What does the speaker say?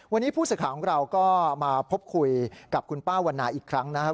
วันนี้ผู้สื่อข่าวของเราก็มาพบคุยกับคุณป้าวันนาอีกครั้งนะครับ